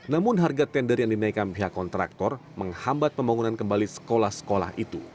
namun harga tender yang dinaikkan pihak kontraktor menghambat pembangunan kembali sekolah sekolah itu